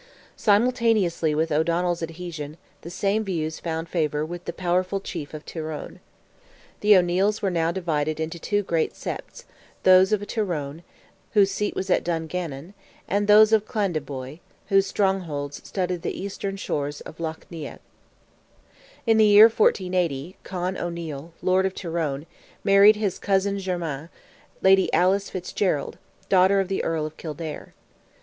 Simultaneously with O'Donnell's adhesion, the same views found favour with the powerful chief of Tyrone. The O'Neils were now divided into two great septs, those of Tyrone, whose seat was at Dungannon, and those of Clandeboy, whose strongholds studded the eastern shores of Lough Neagh. In the year 1480, Con O'Neil, lord of Tyrone, married his cousin germain, Lady Alice Fitzgerald, daughter of the Earl of Kildare.